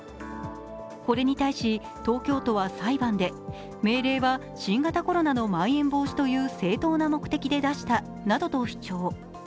これに対し、東京都は裁判で、命令は新型コロナのまん延防止という正当な目的で出したなどと主張。